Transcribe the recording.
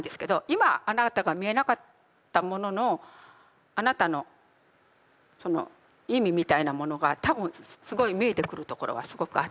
今あなたが見えなかったもののあなたのその意味みたいなものが多分すごい見えてくるところはすごくあって。